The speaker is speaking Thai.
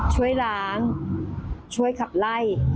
ช่วยล้างช่วยขับไล่